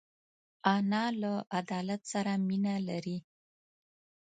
انا له عدالت سره مینه لري